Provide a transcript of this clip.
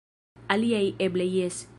Aliaj eble jes.